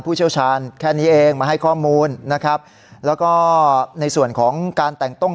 เชี่ยวชาญแค่นี้เองมาให้ข้อมูลนะครับแล้วก็ในส่วนของการแต่งต้อง